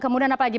kemudian apa lagi